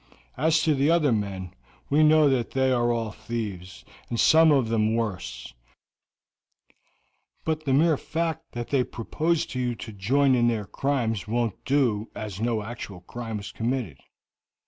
As to the other men, we know that they are all thieves, and some of them worse; but the mere fact that they proposed to you to join in their crimes won't do, as no actual crime was committed.